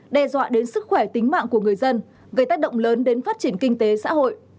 đe dọa đến sức khỏe tính mạng của người dân gây tác động lớn đến phát triển kinh tế xã hội